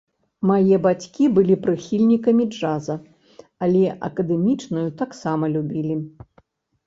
Мае бацькі былі прыхільнікамі джаза, але акадэмічную таксама любілі.